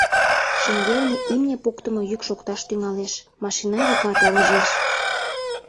Шеҥгелне имне поктымо йӱк шокташ тӱҥалеш, машина йӱкат ылыжеш.